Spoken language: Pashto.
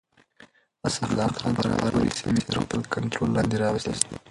اسدالله خان تر فراه پورې سيمې تر خپل کنټرول لاندې راوستې.